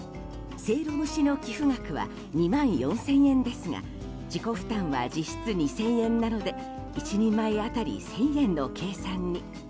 せいろ蒸しの寄付額は２万４０００円ですが自己負担は実質２０００円なので１人前当たり１０００円の計算に。